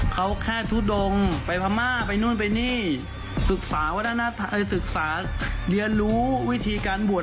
เขาแค่ทุดงไปพระม่าไปนู่นไปนี่ศึกษาเรียนรู้วิธีการบวช